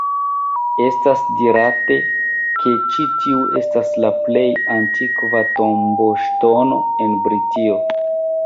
Estas dirate, ke ĉi tiu estas la plej antikva tomboŝtono en Britio.